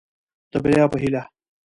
د بريا په هيله.